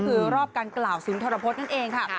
ก็คือรอบการกล่าวศูนย์ธรรมพสนั่นเองค่ะ